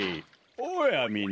おやみんな。